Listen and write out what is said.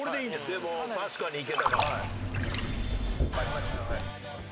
でも確かにいけたかも。